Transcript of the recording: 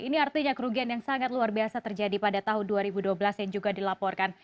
ini artinya kerugian yang sangat luar biasa terjadi pada tahun dua ribu dua belas yang juga dilaporkan